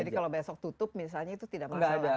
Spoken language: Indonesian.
jadi kalau besok tutup misalnya itu tidak masalah